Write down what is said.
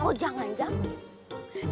oh jangan jangan